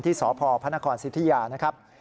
ที่สภพศิษยานะครับ